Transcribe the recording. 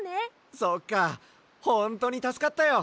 そっかほんとにたすかったよ！